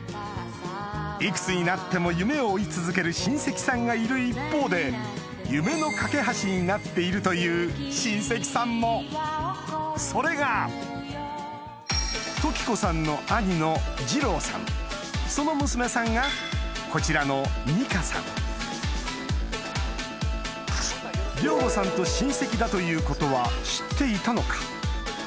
いくつになっても夢を追い続ける親戚さんがいる一方で夢の懸け橋になっているという親戚さんもそれが時子さんの兄の二郎さんその娘さんがこちらの二香さん亮吾さんとうれしい。